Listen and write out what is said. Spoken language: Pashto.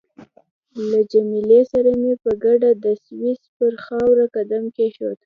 له جميله سره مې په ګډه د سویس پر خاوره قدم کېښود.